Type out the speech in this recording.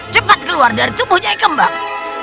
cepat keluar dari tubuhnya ikembang